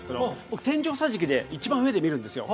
僕天井の桟敷で一番上で見るんですよ